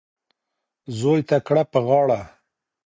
زوی ته کړه په غاړه